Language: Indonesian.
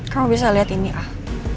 kamu bisa lihat ini ah